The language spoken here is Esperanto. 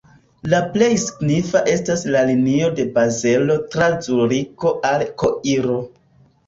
La plej signifa estas la linio de Bazelo tra Zuriko al Koiro.